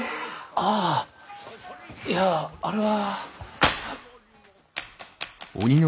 ああいやあれは。